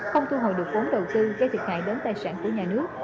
không thu hồi được vốn đầu tư gây thiệt hại đến tài sản của nhà nước